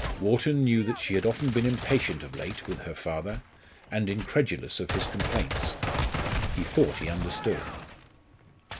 Wharton knew that she had often been impatient of late with her father, and incredulous of his complaints. He thought he understood.